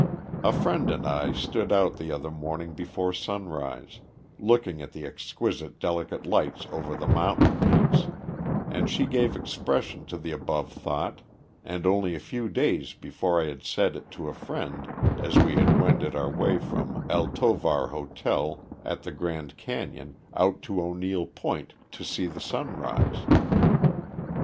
A friend and I stood out the other morning before sunrise, looking at the exquisite delicate lights over the mountain peaks, and she gave expression to the above thought, and only a few days before I had said it to a friend as we had wended our way from El Tovar Hotel at the Grand Canyon out to O'Neill Point to see the sunrise.